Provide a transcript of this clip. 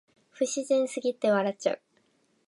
不自然すぎて笑っちゃう